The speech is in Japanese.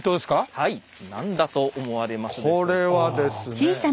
はい何だと思われますか？